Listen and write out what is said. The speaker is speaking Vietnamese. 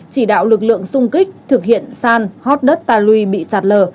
chỉ đạo lực lượng xung kích thực hiện san hót đất ta luy bị sạt lở